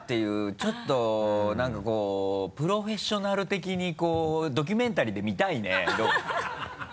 ちょっと何かこう「プロフェッショナル」的にドキュメンタリーで見たいね。